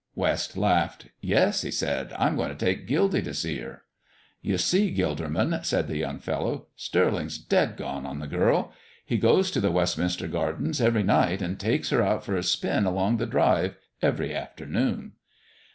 West laughed. "Yes," he said, "I'm going to take Gildy to see her." "You see, Gilderman," said the young fellow, "Stirling's dead gone on the girl. He goes to the Westminster Gardens every night, and takes her out for a spin along the drive every afternoon."